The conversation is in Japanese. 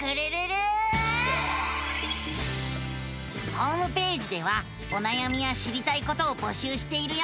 ホームページではおなやみや知りたいことを募集しているよ。